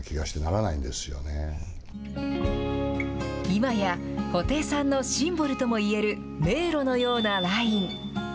今や、布袋さんのシンボルともいえる迷路のようなライン。